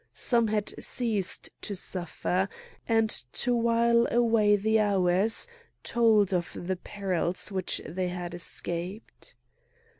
Some had ceased to suffer, and to while away the hours told of the perils which they had escaped.